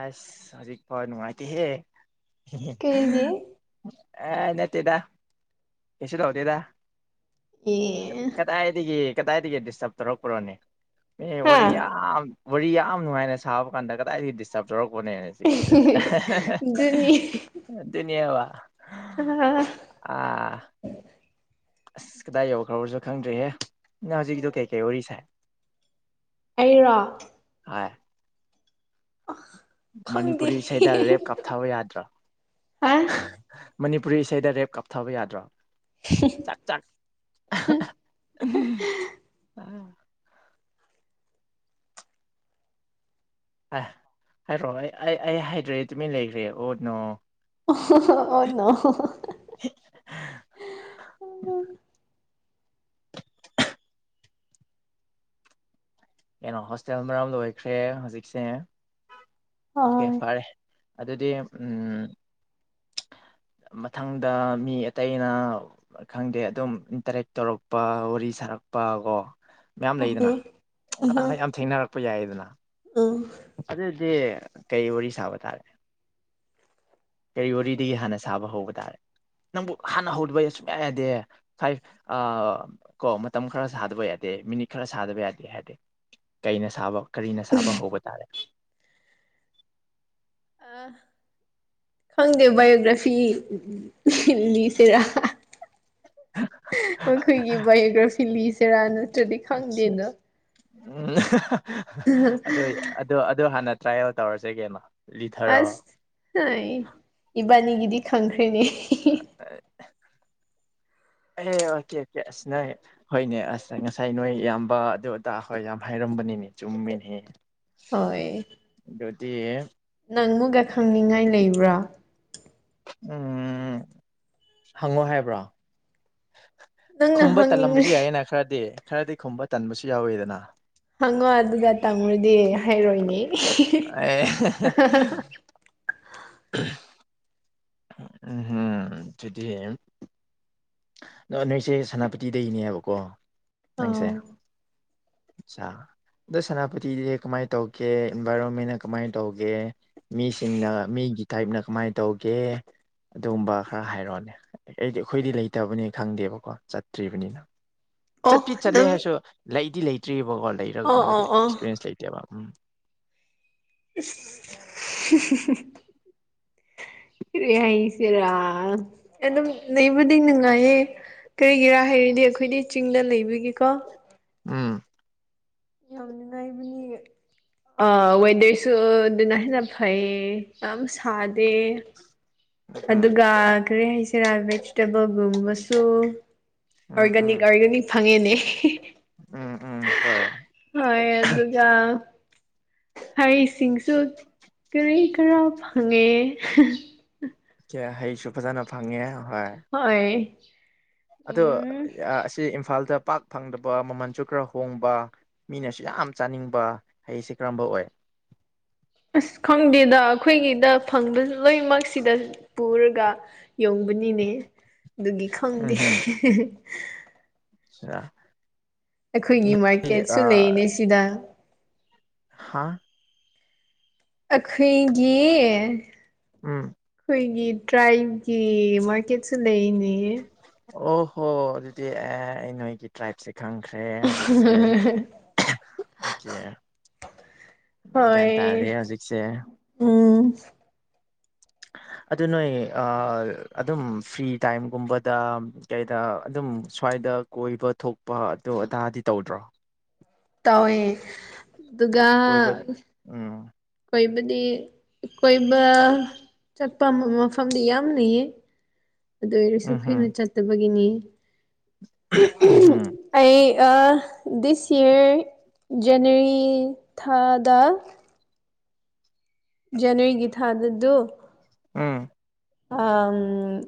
ꯑꯁ ꯍꯧꯖꯤꯛꯐ‌ꯣ ꯅꯨꯡꯉꯥꯏꯇꯦꯍꯦ ꯀꯩꯒꯤ ꯑꯥ ꯅꯠꯇꯦꯗ ꯀꯩꯁꯨ ꯇꯧꯗꯦꯗ ꯑꯦ ꯑ ꯗꯥꯏꯗꯒꯤ ꯀꯗꯥꯏꯗꯒꯤ ꯗꯤꯁꯇ꯭ꯔꯕ ꯇꯧꯔꯛꯄꯔꯣꯅꯦ ꯃꯤ ꯍꯥ ꯋꯥꯔꯤ ꯌꯥꯝ ꯋꯥꯔꯤ ꯌꯥꯝ ꯅꯨꯡꯉꯥꯏꯅ ꯁꯥꯕ ꯀꯥꯟꯗ ꯀꯗꯥꯏꯗꯒꯤ ꯗꯤꯁꯇ꯭ꯔꯕ ꯇꯧꯔꯛꯄ꯭ꯔ‌ꯣꯅꯦ ꯆꯤꯀꯤꯇꯦ ꯑꯗꯨꯅꯤ ꯑꯗꯨꯅꯦꯕ ꯑꯥ ꯑꯁ ꯀꯗꯥꯏ ꯌꯧꯈ꯭꯭ꯔꯕꯁꯨ ꯈꯪꯗ꯭ꯔꯦꯍꯦ ꯅꯪ ꯍꯧꯖꯤꯛꯀꯤꯗꯣ ꯀꯩꯀꯩ ꯋꯥꯔꯤ ꯁꯥꯏ ꯑꯩꯔꯣ ꯍ‌ꯣꯏ ꯑ ꯈꯪꯗꯦ ꯊꯕ ꯌꯥꯗ꯭ꯔꯣ ꯍꯥ [unintelligible] ꯃꯅꯤꯄꯨꯔꯤ ꯏꯁꯩꯗ ꯔꯦꯞ ꯀꯥꯞꯊꯕ ꯌꯥꯗ꯭ꯔꯣ [unintelligible] ꯆꯥꯛ ꯆꯥꯛ [unintelligible] ꯑ ꯍꯥꯏꯔꯣ ꯑꯩ ꯑꯩ ꯍꯥꯏꯗ꯭ꯔꯦ ꯑꯩ ꯇꯨꯃꯤꯟ ꯂꯩꯒ꯭ꯔꯦ ꯑꯣ ꯅꯣ [unintelligible] ꯑꯣ ꯅꯣ [unintelligible] [unintelligible] ꯀꯩꯅꯣ ꯍꯣꯁꯇꯦꯜ ꯃꯔꯝ ꯂꯣꯏꯈ꯭ꯔꯦ ꯍꯧꯖꯤꯛꯁꯦ ꯑꯣꯀꯦ ꯍꯣꯏ ꯐꯔꯦ ꯑꯗꯨꯗꯤ ꯎꯝ ꯃꯊꯪꯗ ꯃꯤ ꯑꯇꯩꯅ ꯈꯪꯗꯦ ꯑꯗꯨꯝ ꯏꯟꯇꯔꯦꯛ ꯇꯧꯔꯛꯄ ꯋꯥꯔꯤ ꯁꯥꯔꯛꯄ ꯀꯣ ꯃꯌꯥꯝ ꯂꯩꯗꯅ ꯎꯝ ꯎꯝ ꯀꯗ [unintelligible] ꯌꯥꯝ ꯊꯦꯡꯅꯔꯛꯄ ꯌꯥꯏꯗꯅ ꯎꯝ ꯑꯗꯨꯗꯤ ꯀꯩ ꯋꯥꯔꯤ ꯁꯥꯕ ꯇꯥꯔꯦ ꯀꯔꯤ ꯋꯥꯔꯤꯗꯒꯤ ꯍꯥꯟꯅ ꯁꯥꯕ ꯍꯧꯕ ꯇꯥꯔꯦ ꯅꯪꯕꯨ ꯍꯥꯟꯅ ꯍꯧꯗꯕ ꯁꯨꯡꯌꯥ ꯌꯥꯗꯦ ꯐꯥꯏꯚ ꯑ ꯀꯣ ꯃꯇꯝ ꯈꯔ ꯁꯥꯗꯕ ꯌꯥꯗꯦ ꯃꯤꯅꯤꯠ ꯈꯔ ꯁꯥꯗꯕ ꯌꯥꯗꯦ ꯍꯥꯏꯗꯤ ꯀꯩꯅ ꯁꯥꯕ ꯀꯔꯤꯅ ꯁꯥꯕ ꯍꯧꯕ ꯇꯥꯔꯦ ꯑꯥ ꯈꯪꯗꯦ ꯕꯥꯏꯑꯣꯒ꯭ꯔꯥꯐꯤ [unintelligible] ꯂꯤꯁꯤꯔ [unintelligible] ꯑꯈꯣꯏꯒꯤ ꯕꯥꯏꯑꯣꯒ꯭ꯔꯥꯐꯤ ꯂꯤꯁꯤꯔꯥ ꯅꯠꯇ꯭ꯔꯗꯤ ꯈꯪꯗꯦꯗ ꯎꯝ [unintelligible] ꯑꯗꯨ ꯑꯗꯨ ꯑꯗꯨ ꯍꯥꯟꯅ ꯇ꯭ꯔꯥꯏꯌꯦꯜ ꯇꯧꯔꯁꯤ ꯀꯩꯅꯣ ꯂꯤꯊꯔꯣ ꯑꯁ [unintelligible] ꯏꯕꯥꯅꯤꯒꯤꯗꯤ ꯈꯪꯈ꯭꯭ꯔꯦꯅꯦ ꯑꯥ [unintelligible] [unintelligible] ꯑꯁ [unintelligible] ꯍꯣꯏꯅꯦ ꯑꯁ ꯉꯁꯥꯏ ꯅꯣꯏ ꯏꯌꯥꯝꯕ ꯑꯗꯨ ꯑꯗꯥ ꯍꯣꯏ ꯌꯥꯝ ꯍꯥꯏꯔꯝꯕꯅꯤꯅꯦ ꯆꯨꯝꯃꯤꯅꯦꯍꯦ ꯍꯣꯏ ꯑꯗꯨꯗꯤ ꯅꯪ ꯃꯨꯛꯒ ꯈꯪꯅꯤꯡꯉꯥꯏ ꯂꯩꯕ꯭ꯔꯥ ꯎꯝ ꯍꯪꯉꯨ ꯍꯥꯏꯕ꯭ꯔꯣ ꯅꯪꯅ ꯈꯨꯝꯕ ꯍꯪꯅꯤꯡꯉꯦ ꯇꯜꯂꯝꯕꯁꯨ ꯌꯥꯏꯌꯦꯅ ꯈꯔꯗꯤ ꯈꯔꯗꯤ ꯈꯨꯝꯕ ꯇꯟꯕꯁꯨ ꯌꯥꯎꯋꯤꯗꯅ ꯍꯪꯉꯣ ꯑꯗꯨꯗ ꯇꯝꯔꯗꯤ ꯍꯥꯏꯔꯣꯏꯅꯦ ꯑꯦ [unintelligible] [unintelligible] ꯎꯝꯍꯨꯝ ꯑꯗꯨꯗꯤ ꯑꯗꯣ ꯅꯣꯏꯁꯦ ꯁꯦꯅꯥꯄꯇꯤꯗꯩꯅꯦꯕꯀꯣ ꯅꯪꯁꯦ ꯑꯧ ꯑꯁꯥ ꯑꯗꯣ ꯁꯦꯅꯥꯄꯇꯤꯗꯤ ꯀꯃꯥꯏ ꯇꯧꯒꯦ ꯏꯟꯚꯥꯏꯔꯣꯟꯃꯦꯟꯅ ꯀꯃꯥꯏ ꯇꯧꯒꯦ ꯃꯤꯁꯤꯡꯅ ꯃꯤꯒꯤ ꯇꯥꯏꯞꯅ ꯀꯃꯥꯏ ꯇꯧꯒꯦ ꯑꯗꯨꯒꯨꯝꯕ ꯈꯔ ꯍꯥꯏꯔꯛꯑꯣꯅꯦ ꯑꯩꯗꯤ ꯑꯩꯈꯣꯏꯗꯤ ꯂꯩ ꯇꯕꯅꯤ ꯈꯪꯗꯦꯕꯀꯣ ꯆꯠꯇ꯭ꯔꯤꯕꯅꯤꯅ ꯑꯣ ꯆꯠꯇꯤ ꯆꯠꯂꯦ ꯅꯪ ꯍꯥꯏꯔꯁꯨ ꯂꯩꯗꯤ ꯂꯩꯇ꯭ꯔꯤꯕꯀꯣ ꯑꯣ ꯂꯩꯔꯒꯨꯝꯕꯗꯤ ꯑꯣ ꯑꯣ ꯑꯦꯛꯁꯄꯤꯔꯦꯟꯁ ꯂꯩꯇꯦꯕ ꯎꯝ ꯏꯁ [unintelligible] [unintelligible] ꯀꯔꯤ ꯍꯥꯏꯁꯤꯔ ꯑꯗꯨꯝ ꯂꯩꯕꯗꯤ ꯅꯨꯡꯉꯥꯏꯌꯦ ꯀꯔꯤꯒꯤꯔ ꯍꯥꯏꯔꯗꯤ ꯑꯩꯈꯣꯏꯗꯤ ꯆꯤꯡꯗ ꯂꯩꯕꯒꯤꯀꯣ ꯎꯝ ꯌꯥꯝ ꯅꯨꯡꯉꯥꯏꯕꯅꯤ ꯑ ꯋꯦꯗꯔꯁꯨ ꯑꯗꯨꯅ ꯍꯦꯟꯅ ꯐꯩꯌꯦ ꯌꯥꯝ ꯁꯥꯗꯦ ꯎꯝ ꯑꯗꯨꯒ ꯀꯔꯤ ꯍꯥꯏꯁꯤꯔ ꯕꯤꯖꯤꯇꯦꯕꯜꯒꯨꯝꯕꯁꯨ ꯎꯝ ꯎꯝ ꯑꯣꯔꯒꯥꯅꯤꯛ ꯑꯣꯔꯒꯥꯅꯤꯛ ꯐꯪꯉꯦꯅꯦ ꯎꯝ ꯎꯝ ꯍꯣꯏ ꯍꯣꯏ ꯑꯗꯨꯒ ꯍꯩ ꯁꯤꯡꯁꯨ ꯀꯔꯤ ꯀꯔ ꯐꯪꯉꯦ ꯆꯦ ꯍꯩꯁꯨ ꯐꯖꯅ ꯐꯪꯉꯦ ꯍꯣꯏ ꯍꯣꯏ ꯑꯗꯣ ꯎꯝ ꯑ ꯑꯁꯤ ꯏꯝꯐꯥꯜꯗ ꯄꯥꯛ ꯐꯪꯗꯕ ꯃꯃꯜꯁꯨ ꯈꯔ ꯍꯣꯡꯕ ꯃꯤꯅꯁꯨ ꯌꯥꯝ ꯆꯥꯅꯤꯡꯕ ꯍꯩꯁꯦ ꯀꯔꯝꯕ ꯑꯣꯏ ꯑꯁ ꯈꯪꯗꯦꯗ ꯑꯩꯈꯣꯏꯒꯤꯗ ꯐꯪꯗꯔꯁꯨ ꯂꯣꯏꯅꯃꯛꯁꯤꯗ ꯄꯨꯔꯒ ꯌꯣꯡꯕꯅꯤꯅꯦ ꯑꯗꯨꯒꯤ ꯈꯪꯗꯦ ꯑꯆꯥ ꯑꯩꯈꯣꯏꯒꯤ ꯃꯥꯔꯀꯦꯠꯁꯨ ꯑ ꯂꯩꯅꯦ ꯁꯤꯗ ꯍꯥꯥ ꯑꯩꯈꯣꯏꯒꯤ ꯎꯝ ꯑꯩꯈꯣꯏꯒꯤ ꯇ꯭ꯔꯥꯏꯕꯒꯤ ꯃꯥꯔꯀꯦꯠꯁꯨ ꯂꯩꯅꯦ ꯑꯣ ꯍꯣ ꯑꯗꯨꯗꯤ ꯑꯦ ꯑꯩ ꯅꯣꯏꯒꯤ ꯇ꯭ꯔꯥꯏꯞꯁꯦ ꯈꯪꯈ꯭ꯔꯦ ꯍꯧꯖꯤꯛꯁꯦ [unintelligible] ꯑꯣꯀꯦ ꯒ꯭ꯌꯥꯟ ꯇꯥꯔꯦ ꯍꯣꯏ ꯍꯧꯖꯤꯛꯁꯦ ꯎꯝ ꯑꯗꯨ ꯅꯣꯏ ꯑ ꯑꯗꯨꯝ ꯐ꯭ꯔꯤ ꯇꯥꯏꯝꯒꯨꯝꯕꯗ ꯀꯩꯗ ꯑꯗꯨꯝ ꯁ꯭ꯋꯥꯏꯗ ꯀꯣꯏꯕ ꯊꯣꯛꯄ ꯑꯗꯣ ꯑꯗꯥꯗꯤ ꯇꯧꯗ꯭ꯔꯣ ꯇꯧꯋꯦ ꯑꯗꯨꯒ ꯑꯣ ꯀꯣꯏꯕꯗꯤ ꯀꯣꯏꯕ ꯆꯠꯄ ꯃꯐꯝꯗꯤ ꯌꯥꯝ ꯂꯩꯌꯦ ꯑꯗꯨ ꯑꯣꯏꯔꯁꯨ ꯀꯣꯏꯅ ꯆꯠꯇꯕꯒꯤꯅꯤ ꯎ ꯍꯝ ꯑꯩ ꯗꯤꯁ ꯌꯔ ꯖꯅꯔꯤ ꯊꯥꯗ ꯖꯅꯋꯥꯔꯤꯒꯤ ꯊꯥꯗ ꯑꯗꯨ ꯎꯝ ꯎ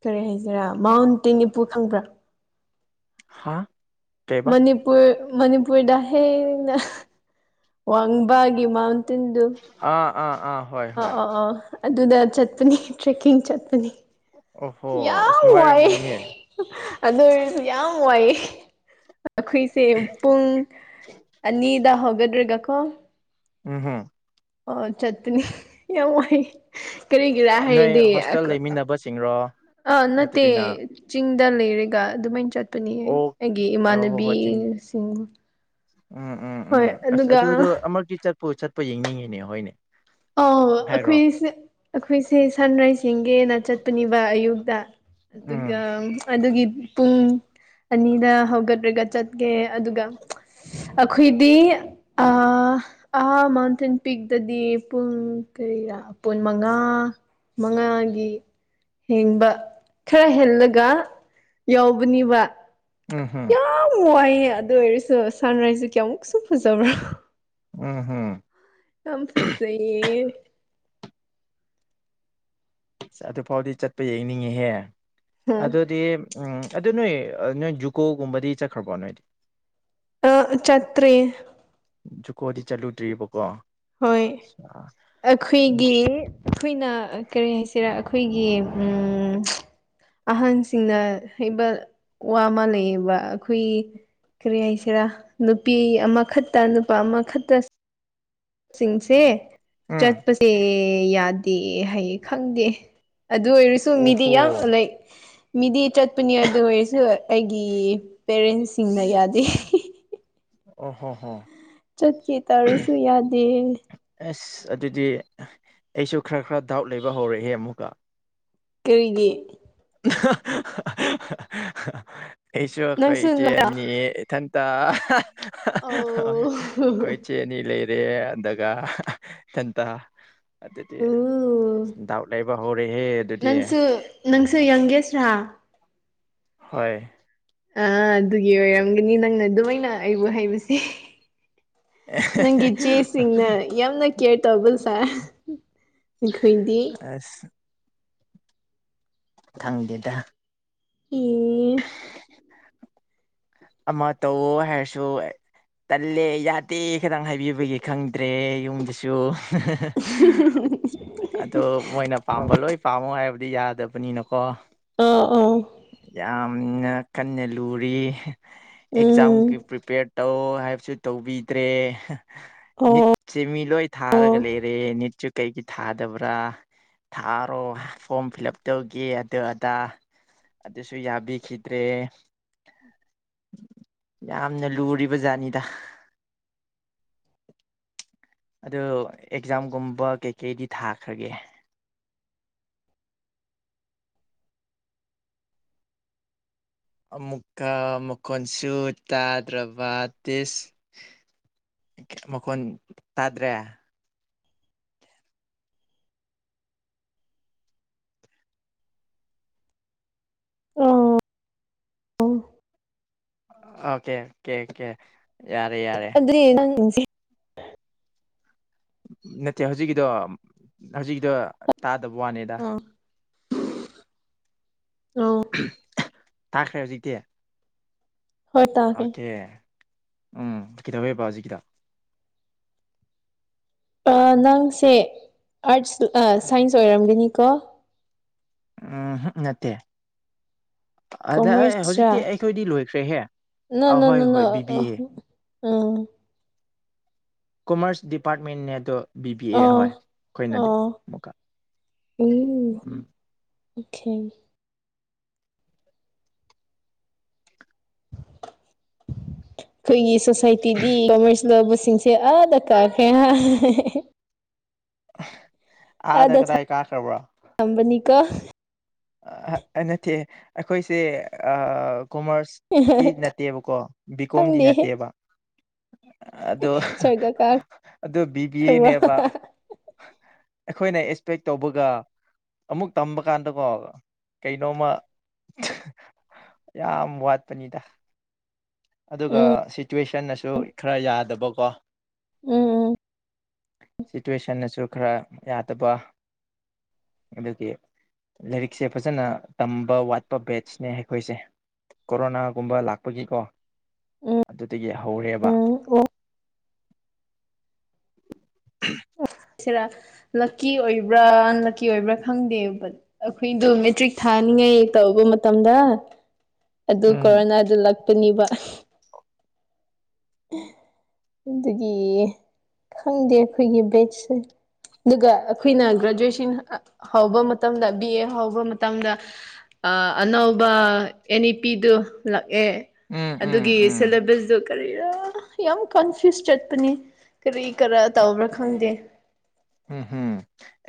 ꯀꯔꯤ ꯍꯥꯏꯁꯤꯔꯥ ꯃꯥꯎꯟ ꯇꯦ ꯏꯄꯨ ꯈꯪꯕ꯭ꯔꯥ ꯍꯥꯥ ꯃꯅꯤꯄꯨꯔ ꯃꯅꯤꯄꯨꯔꯗ ꯍꯦꯟ ꯅꯥ ꯋꯥꯡꯕꯒꯤ ꯃꯥꯎꯟꯇꯦꯟꯗꯨ ꯑꯥ ꯑꯥ ꯑꯥ ꯍꯣꯏ ꯑ ꯍꯣꯏ ꯑ ꯑꯥ ꯑꯗꯨꯗ ꯆꯠꯄꯅꯤ ꯇ꯭ꯔꯦꯛꯀꯤꯡ ꯆꯠꯄꯅꯤ ꯑꯣꯍꯣ ꯌꯥꯝ ꯑꯁ ꯋꯥꯏꯌꯦ ꯅꯨꯡꯉꯥꯏꯔꯝꯒꯅꯤꯍꯦ ꯑꯗꯨ ꯑꯣꯏꯔꯁꯨ ꯌꯥꯝ ꯋꯥꯏꯑꯦ ꯑꯩꯈꯣꯏꯁꯦ ꯄꯨꯡ ꯑꯅꯤꯗ ꯍꯧꯒꯗ꯭ꯔꯦꯒꯀꯣ ꯎꯝ ꯍꯝ ꯑ ꯆꯠꯇꯅꯤ ꯌꯥꯝ ꯋꯥꯏ ꯀꯔꯤ ꯀꯔꯥ ꯅꯣꯏ ꯍꯥꯏꯗꯤ ꯍꯣꯁꯇꯦꯜ ꯂꯩꯃꯤꯟꯅꯕꯁꯤꯡꯔꯣ ꯑ ꯅꯠꯇꯦ ꯅꯠꯇꯕꯤꯅ ꯆꯤꯡꯗ ꯂꯩꯔꯒ ꯑꯗꯨꯃꯥꯏꯅ ꯆꯠꯄꯅꯤ ꯑꯣ ꯑꯩꯒꯤ ꯑꯣ ꯍꯣ ꯍꯣꯏ ꯆꯤꯡ ꯏꯃꯥꯟꯅꯕꯤꯁꯤꯡ ꯎꯝ ꯎꯝ ꯍꯣꯏ ꯎꯝ ꯑꯁ ꯑꯗꯨꯒ ꯑꯗꯨꯗꯣ ꯑꯃꯨꯔꯛꯇꯤ ꯆꯠꯄꯨ ꯆꯠꯄ ꯌꯦꯡꯅꯤꯡꯉꯤꯅꯦ ꯍꯣꯏꯅꯦ ꯑꯥꯎ ꯍꯥꯏꯔꯣ ꯑꯩꯈꯣꯏꯁꯦ ꯑꯩꯈꯣꯏꯁꯦ ꯁꯟ ꯔꯥꯏꯖ ꯌꯦꯡꯒꯦꯅ ꯆꯠꯄꯅꯦꯕ ꯑꯌꯨꯛꯇ ꯑꯗꯨꯒ ꯎꯝ ꯑꯗꯨꯒꯤ ꯄꯨꯡ ꯑꯅꯤꯗ ꯍꯧꯒꯠꯔꯒ ꯆꯠꯀꯦ ꯑꯗꯨꯒ ꯑꯈꯣꯏꯗꯤ ꯑ ꯑꯥ ꯃꯥꯎꯟꯇꯦꯟ ꯄꯤꯛꯇꯗꯤ ꯄꯨꯡ ꯀꯩꯔꯥ ꯄꯨꯟ ꯃꯉꯥ ꯃꯉꯥꯒꯤ ꯍꯦꯡꯕ ꯈꯔ ꯍꯦꯜꯂꯒ ꯌꯥꯎꯕꯅꯤꯕ ꯎꯝ ꯍꯝ ꯌꯥꯝ ꯋꯥꯏꯌꯦ ꯑꯗꯨ ꯑꯣꯏꯔꯁꯨ ꯁꯟ ꯔꯥꯏꯖꯁꯨ ꯀꯌꯥꯃꯨꯛꯁꯨ ꯐꯖꯕ꯭ꯔꯥ ꯎꯝ ꯍꯝ ꯌꯥꯝ ꯐꯖꯩꯌꯦ ꯑꯗꯨ ꯐꯥꯎꯗꯤ ꯆꯠꯄ ꯌꯦꯡꯅꯤꯡꯉꯤꯍꯦ ꯑꯗꯨꯗꯤ ꯎꯝ ꯑꯗꯨ ꯅꯣꯏ ꯅꯣꯏ ꯖꯨꯀꯣꯒꯨꯝꯕꯗꯤ ꯆꯠꯈ꯭ꯔꯕꯣ ꯅꯣꯏꯗꯤ ꯑ ꯆꯠꯇ꯭ꯔꯤ ꯖꯨꯀꯣꯗꯤ ꯆꯠꯂꯨꯗ꯭ꯔꯤꯕꯔꯤꯕꯀꯣ ꯍꯣꯏ ꯑꯈꯣꯏꯒꯤ ꯑꯈꯣꯏꯅ ꯑ ꯀꯔꯤ ꯍꯥꯏꯁꯤꯔꯥ ꯑꯈꯣꯏꯒꯤ ꯎꯝ ꯑꯍꯟꯁꯤꯡꯅ ꯍꯩꯕ ꯋꯥ ꯑꯃ ꯂꯩꯌꯦꯕ ꯑꯈꯣꯏ ꯀꯔꯤ ꯍꯥꯏꯁꯤꯔꯥ ꯅꯨꯄꯤ ꯑꯃꯈꯠꯇ ꯅꯨꯄꯥ ꯑꯃꯈꯠꯇ ꯁꯤꯡꯁꯦ ꯎꯝ ꯆꯠꯄꯁꯦ ꯌꯥꯗꯦ ꯍꯥꯏꯌꯦ ꯈꯪꯗꯦ ꯑꯗꯨ ꯑꯣꯏꯔꯁꯨ ꯃꯤꯗꯤ ꯑꯣꯍꯣ ꯌꯥꯝ ꯂꯥꯏꯛ ꯃꯤꯗꯤ ꯆꯠꯄꯅꯤ ꯑꯗꯨ ꯑꯣꯏꯔꯁꯨ ꯑꯩꯒꯤ ꯄꯦꯔꯦꯟꯁꯁꯤꯡꯅ ꯌꯥꯗꯦ ꯑꯣ ꯍꯣ ꯍꯣ ꯆꯠꯀꯦ ꯇꯥꯔꯁꯨ ꯌꯥꯗꯦ ꯑꯁ ꯑꯗꯨꯗꯤ ꯑꯩꯁꯨ ꯈꯔ ꯈꯔ ꯗꯥꯎꯠ ꯂꯩꯕ ꯍꯧꯔꯦꯍꯦ ꯑꯃꯨꯛꯀ ꯀꯔꯤꯒꯤ ꯑꯩꯁꯨ ꯑꯈꯣꯏ ꯅꯪꯁꯨ ꯏꯇꯦꯟꯅꯤ ꯏꯊꯟꯇ ꯍꯣꯏ ꯑꯧ ꯈꯣꯏ ꯆꯦ ꯆꯦꯅꯤ ꯂꯩꯔꯦ ꯑꯗꯒ ꯏꯊꯟꯇ ꯑꯗꯨꯗꯤ ꯎ ꯗꯥꯎꯠ ꯂꯩꯕ ꯍꯧꯔꯦꯍꯦ ꯑꯗꯨꯗꯤ ꯅꯪꯁꯦ ꯌꯪꯒꯦꯁꯔꯥ ꯍꯣꯏ ꯑ ꯑꯗꯨꯒꯤ ꯑꯣꯏꯔꯝꯒꯅꯤ ꯅꯪꯅ ꯑꯗꯨꯃꯥꯏꯅ ꯑꯩꯕꯨ ꯍꯥꯏꯕꯁꯦ ꯅꯪꯒꯤ ꯆꯦ ꯁꯤꯅ ꯌꯥꯝꯅ ꯀꯦꯔ ꯇꯧꯔꯕꯜ ꯁꯥ ꯑꯩꯈꯣꯏꯗꯤ ꯑꯁ ꯊꯪꯗꯦꯗ ꯑꯦ ꯑꯃ ꯇꯧꯑꯣ ꯍꯥꯏꯔꯁꯨ ꯇꯜꯂꯦ ꯌꯥꯗꯦ ꯈꯤꯇꯪ ꯍꯥꯏꯕꯤꯕꯒꯤ ꯈꯪꯗ꯭ꯔꯦ ꯌꯨꯝꯗꯁꯨ [unintelligible] ꯑꯗꯣ ꯃꯣꯏꯅ ꯄꯥꯝꯕ ꯂꯣꯏ ꯄꯥꯝꯃꯣ ꯍꯥꯏꯕꯗꯤ ꯌꯥꯗꯕꯅꯤꯅꯀꯣ ꯑꯣ ꯑꯣ ꯌꯥꯝꯅ ꯀꯟꯅ ꯂꯨꯔꯤ ꯎꯝ ꯑꯦꯛꯖꯥꯝꯒꯤ ꯄ꯭ꯔꯤꯄꯦꯌꯔꯠ ꯇꯧ ꯍꯥꯏꯕꯁꯨ ꯇꯧꯕꯤꯗ꯭ꯔꯦ ꯑꯣ ꯅꯤꯠꯁꯦ ꯃꯤ ꯂꯣꯏ ꯑꯣ ꯊꯥꯔꯒ ꯂꯩꯔꯦ ꯅꯤꯠꯁꯨ ꯀꯩꯒꯤ ꯊꯥꯗꯕ꯭ꯔꯥ ꯊꯥꯔꯣ ꯐꯣꯝ ꯐꯤꯜ ꯎꯞ ꯇꯧꯒꯦ ꯑꯗꯨ ꯑꯗꯥ ꯑꯗꯨꯁꯨ ꯌꯥꯕꯤꯈꯤꯗ꯭ꯔꯦ꯫ ꯌꯥꯝꯅ ꯂꯨꯔꯤꯕ ꯖꯥꯠꯅꯤꯗ꯫ ꯑꯗꯨ ꯑꯦꯛꯖꯥꯝꯒꯨꯝꯕ ꯀꯩꯀꯩꯗꯤ ꯊꯥꯈ꯭ꯔꯒꯦ꯫ ꯑꯃꯨꯛꯀ ꯃꯈꯣꯟꯁꯨ ꯇꯥꯗ꯭ꯔꯕ ꯇꯤꯁ ꯀꯦꯝ ꯃꯈꯣꯟ ꯇꯥꯗ꯭ꯔꯦ꯫ ꯎꯝ ꯑꯣ꯫ ꯑ ꯀꯩ ꯀꯦ ꯀꯦ ꯌꯥꯔꯦ ꯌꯥꯔꯦ꯫ ꯑꯗꯨꯗꯤ ꯅꯪ ꯍꯧꯖꯤꯛ꯫ ꯅꯠꯇꯦ ꯍꯧꯖꯤꯛꯀꯤꯗꯣ ꯍꯧꯖꯤꯛꯀꯤꯗꯣ ꯇꯥꯗꯕ ꯋꯥꯅꯤꯗ꯫ ꯑꯣ꯫ ꯇꯈ꯭ꯔꯦ ꯍꯧꯖꯤꯛꯇꯤ꯫ ꯍꯣꯏ ꯇꯥꯒꯦ ꯑꯣꯀꯦ ꯎꯝ ꯀꯩꯗꯧꯋꯦꯕꯣ ꯍꯧꯖꯤꯛꯀꯤꯗꯣ꯫ ꯑꯥ ꯅꯪꯁꯦ ꯑꯥꯔꯠꯁ ꯁꯥꯏꯟꯁ ꯑꯣꯏꯔꯝꯒꯅꯤꯀꯣ꯫ ꯎꯝ ꯍꯨꯝ ꯅꯠꯇꯦ ꯑꯗ ꯑꯦ ꯍꯧꯖꯤꯛꯇꯤ ꯀꯣꯃꯔꯁꯔꯥ ꯑꯩꯈꯣꯏꯗꯤ ꯂꯣꯏꯈ꯭ꯔꯦꯍꯦ꯫ ꯅꯣ ꯅꯣ ꯑꯍꯣꯏ ꯅꯣ ꯍꯣꯏ ꯕꯤ ꯕꯤ ꯑꯣ ꯑꯦ ꯑ꯫ ꯀꯣꯃꯔꯁ ꯗꯤꯄꯥꯔꯠꯃꯦꯟꯅꯦ ꯑꯗꯣ꯫ ꯕꯤ ꯄꯤ ꯑꯦ ꯑꯣ ꯍꯣꯏ ꯑꯩꯈꯣꯏꯅꯗꯤ ꯑꯣ ꯑꯃꯨꯛꯀ ꯎꯝ꯫ ꯑꯣꯀꯦ꯫ [inaudible] [inaudible] ꯑꯩꯈꯣꯏꯒꯤ ꯁꯣꯁꯥꯏꯇꯤꯗꯤ ꯀꯣꯃꯔꯁ ꯂꯧꯕꯁꯤꯡꯁꯦ ꯑꯥꯗ ꯀꯥꯈ꯭ꯔꯦ ꯍꯥꯏ꯫ ꯑꯥꯗ ꯀꯗꯥꯥꯏ ꯀꯥꯈ꯭ꯔꯕ꯭ꯔ? ꯑꯝꯕꯅꯤꯀ꯫ ꯑꯍ ꯅꯠꯇꯦ ꯑꯩꯈꯣꯏꯁꯦ ꯀꯣꯃꯔꯁ ꯇꯤ ꯅꯠꯇꯦꯕꯀꯣ ꯕꯤꯀꯣꯝꯗꯤ ꯈꯪꯗꯦ ꯅꯠꯇꯦꯕ꯫ ꯑꯗꯣ ꯁꯔꯒ ꯑꯗꯨ ꯕꯤꯕꯤ ꯀꯥꯈ꯭ꯔꯕ꯭ꯔꯣ ꯑꯦꯅꯦꯕ꯫ ꯑꯩꯈꯣꯏꯅ ꯑꯦꯛꯁꯄꯦꯛ ꯇꯧꯕꯒ ꯑꯃꯨꯛ ꯇꯝꯕ ꯀꯥꯟꯗꯀꯣ ꯀꯩꯅꯣꯃ ꯌꯥꯝ ꯋꯥꯠꯄꯅꯤꯗ꯫ ꯑꯗꯨꯒ ꯎꯝ ꯁꯤꯆꯨꯋꯦꯁꯟꯅꯁꯨ ꯈꯔ ꯌꯥꯗꯕꯀꯣ꯫ ꯎꯝ ꯁꯤꯆꯨꯌꯦꯁꯟꯅ ꯁꯨ ꯈꯔ ꯌꯥꯗꯕ ꯑꯗꯨꯒꯤ ꯂꯩꯔꯤꯛ ꯁꯦ ꯐꯖꯅ ꯇꯝꯕ ꯋꯥꯠꯄ ꯕꯦꯠꯁꯅꯦ ꯑꯩꯈꯣꯏꯁꯦ꯫꯫ ꯀꯣꯔꯣꯅꯥꯒꯨꯝꯕ ꯂꯥꯛꯄꯒꯤꯀꯣ ꯑꯗꯨꯗꯒꯤ ꯍꯧꯔꯦꯕ꯫ ꯑꯣ ꯑꯣ꯫ ꯑꯁ ꯁꯤꯔ ꯂꯛꯀꯤ ꯑꯣꯏꯕ꯭ꯔꯥ ꯑꯟꯂꯛꯀꯤ ꯑꯣꯏꯕ꯭ꯔꯥ ꯈꯪꯗꯦꯕ꯫ ꯑꯩꯈꯣꯏꯗꯣ ꯃꯦꯇ꯭ꯔꯤꯛ ꯊꯥꯅꯤꯡꯉꯥꯏ ꯇꯧꯕ ꯃꯇꯝꯗ ꯑꯗꯨ ꯎꯝ ꯀꯣꯔꯣꯅꯥꯗꯨ ꯂꯥꯛꯄꯅꯦꯕ꯫ ꯑꯦ ꯑꯗꯒꯤ ꯈꯪꯗꯦ ꯈꯣꯏꯒꯤ ꯕꯦꯁꯁꯦ꯫ ꯑꯗꯨꯒ ꯑꯩꯈꯣꯏꯅ ꯒ꯭ꯔꯦꯖꯨꯑꯦꯁꯟ ꯍꯧꯕ ꯃꯇꯝꯗ ꯕꯤ ꯑꯦ ꯍꯧꯕ ꯃꯇꯝꯗ ꯑ ꯑꯅꯧꯕ ꯑꯦꯅꯤꯄꯤꯗꯨ ꯂꯥꯛꯑꯦ ꯎꯝ ꯎꯝ ꯑꯗꯨꯒꯤ ꯎꯝ ꯁꯦꯂꯦꯕꯁꯇꯨ ꯀꯔꯤꯔꯥ ꯌꯥꯝ ꯀꯟꯐ꯭ꯌꯨꯁ ꯆꯠꯄꯅꯤ ꯀ꯭ꯔꯤ ꯀꯔꯥ ꯇꯧꯕ꯭ꯔꯥ ꯈꯪꯗꯦ꯫ ꯎꯝ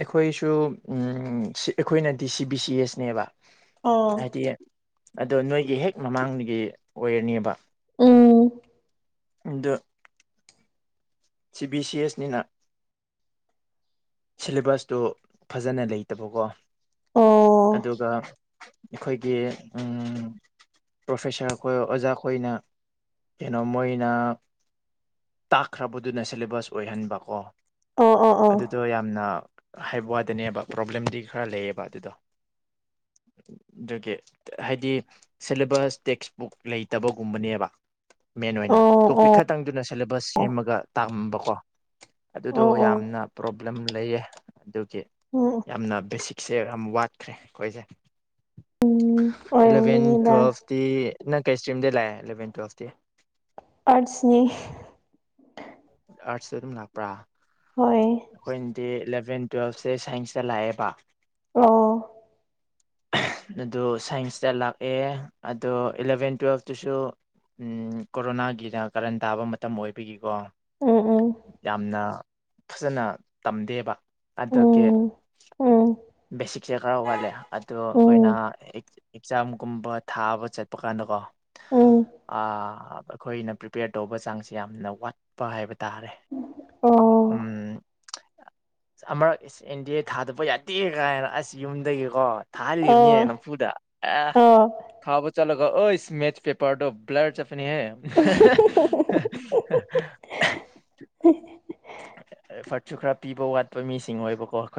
ꯑꯩꯈꯣꯏꯁꯨ ꯑꯩꯈꯣꯏꯅ ꯗꯤ ꯁꯤ ꯕꯤ ꯁꯤ ꯑꯦꯁꯅꯦꯕ꯫ ꯑꯣ ꯍꯥꯏꯗꯤ ꯑꯗꯣ ꯅꯣꯏꯒꯤ ꯍꯦꯛ ꯃꯃꯥꯡꯗꯒꯤ ꯑꯣꯏꯔꯅꯦꯕ꯫ ꯎꯝ꯫ ꯑꯗꯨ ꯁꯤ ꯕꯤ ꯁꯤ ꯑꯦꯁ ꯅꯤꯅ ꯁꯤꯂꯦꯕꯁꯇꯣ ꯐꯖꯅ ꯂꯩꯇꯕꯀꯣ ꯑꯣ ꯑꯗꯨꯒ ꯑꯩꯈꯣꯏꯒꯤ ꯎꯝ ꯄ꯭ꯔꯣꯐꯦꯁꯥꯔ ꯈꯣꯏ ꯑꯣꯖꯥꯈꯣꯏꯅ ꯀꯩꯅꯣ ꯃꯣꯏꯅꯥ ꯇꯥꯈ꯭ꯔꯕꯨꯠ ꯑꯗꯨꯅ ꯁꯦꯂꯦꯕꯁ ꯑꯣꯏꯍꯟꯕꯀꯣ ꯑꯣ ꯑꯣ ꯑꯣ ꯑꯗꯨꯗꯣ ꯌꯥꯝꯅ ꯍꯥꯏꯕ ꯋꯥꯗꯅꯦꯕ ꯄ꯭ꯔꯣꯕ꯭ꯂꯦꯝꯗꯤ ꯈꯔ ꯂꯩꯌꯦꯕ ꯑꯗꯨꯗꯣ ꯗꯨꯒꯤ ꯍꯥꯏꯗꯤ ꯁꯦꯂꯦꯕꯁ ꯇꯦꯛꯁꯕꯨꯛ ꯂꯩꯇꯕꯒꯨꯝꯕꯅꯦꯕ ꯃꯦꯟ ꯑꯣꯏꯅ ꯑꯣ ꯇꯣꯛꯄꯤꯛ ꯈꯛꯇꯪꯗꯨꯅ ꯁꯦꯂꯦꯕꯁ ꯑꯣ ꯁꯦꯝꯃꯒ ꯇꯝꯕꯀꯣ ꯑꯗꯨꯗꯣ ꯑꯣ ꯑꯣ ꯌꯥꯝꯅ ꯄ꯭ꯔꯣꯕ꯭ꯂꯦꯝ ꯂꯩꯌꯦ ꯑꯗꯨꯒꯤ ꯎꯝ ꯌꯥꯝꯅ ꯕꯦꯁꯤꯛꯁꯦ ꯌꯥꯝ ꯋꯥꯠꯈ꯭ꯔꯦ ꯑꯩꯈꯣꯏꯁꯦ ꯎꯝ ꯑꯦꯂꯚꯦꯟ ꯑꯣꯏꯔꯝꯒꯅꯤꯗ ꯇꯨꯋꯦꯜꯐꯇꯤ ꯅꯪ ꯀꯩ ꯏꯁꯇ꯭ꯔꯤꯝꯗꯩ ꯂꯥꯛꯑꯦ ꯑꯦꯂꯚꯦꯟ ꯇꯨꯋꯦꯜꯐꯇꯤ ꯑꯥꯠꯁꯅꯤ ꯑꯥꯠꯁ ꯑꯗꯨꯝ ꯂꯥꯛꯄ꯭ꯔꯥ ꯍꯣꯏ ꯑꯈꯣꯏꯟꯗꯤ ꯏꯂꯚꯦꯟ ꯇꯨꯋꯦꯜꯐꯁꯦ ꯁꯥꯏꯟꯁꯇ ꯂꯥꯛꯑꯦꯕ ꯑꯣ ꯑꯗꯨ ꯁꯥꯏꯟꯁꯇ ꯂꯥꯛꯑꯦ ꯑꯗꯣ ꯏꯂꯚꯦꯟ ꯇꯨꯋꯦꯜꯐꯇꯨꯁꯨ ꯎꯝ ꯀꯣꯔꯣꯅꯥꯒꯤꯔ ꯀꯔꯟ ꯇꯥꯕ ꯃꯇꯝ ꯑꯣꯏꯕꯒꯤꯀꯣ ꯎꯝ ꯎꯝ ꯌꯥꯝꯅ ꯐꯖꯅ ꯇꯝꯗꯦꯕ ꯑꯗꯨꯒꯤ ꯎꯝ ꯎꯝ ꯕꯦꯁꯤꯛꯁꯦ ꯈꯔ ꯋꯥꯠꯂꯦ ꯑꯗꯣ ꯑꯈꯣꯏꯅ ꯎꯝ ꯑꯦꯛꯖꯥꯝꯒꯨꯝꯕ ꯊꯥꯕ ꯆꯠꯄ ꯀꯥꯟꯗꯀꯣ ꯎꯝ ꯑ ꯈꯣꯏꯅ ꯄ꯭ꯔꯤꯄꯦꯌꯔ ꯇꯧꯕ ꯆꯥꯡꯁꯤ ꯌꯥꯝꯅ ꯋꯥꯠꯄ ꯍꯥꯏꯕ ꯇꯥꯔꯦ ꯑꯣ ꯑ ꯑꯃꯔꯛ ꯏꯁ ꯑꯦꯟꯗꯤ ꯑꯦ ꯊꯥꯗꯄ ꯌꯥꯗꯦ ꯀꯥꯏꯅ ꯑꯁ ꯌꯨꯝꯗꯒꯤꯀꯣ ꯊꯥꯍꯟꯂꯤꯕꯅꯤ ꯑꯣ ꯅꯝꯐꯨꯗ ꯑ ꯑꯣ ꯊꯥꯕ ꯆꯠꯂꯒꯥ ꯑꯩꯁ ꯃꯦꯁ ꯄꯦꯄꯔꯗꯣ ꯕ꯭ꯂꯔ ꯆꯠꯄꯅꯤ ꯍꯦ [unintelligible] ꯑꯦꯐꯥꯔꯠꯁꯨ ꯈꯔ ꯄꯤꯕ ꯋꯥꯠꯄ ꯃꯤꯁꯤꯡ ꯑꯣꯏꯕꯀꯣ ꯑꯈꯣꯏ